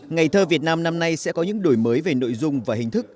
ngày thơ việt nam năm nay sẽ có những đổi mới về nội dung và hình thức